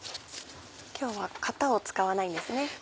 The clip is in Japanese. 今日は型を使わないんですね。